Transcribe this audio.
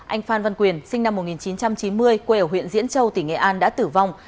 anh phan văn quyền sinh năm một nghìn chín trăm chín mươi quê ở huyện diễn châu tỉnh nghệ an đã tử vong